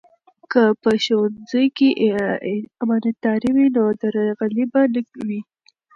که په ښوونځي کې امانتداري وي نو درغلي به نه وي.